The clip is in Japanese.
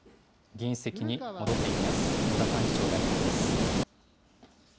議員席に戻っていきます、野田幹事長代行です。